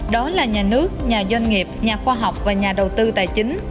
đó là nhà nước nhà doanh nghiệp nhà khoa học và nhà đầu tư tài chính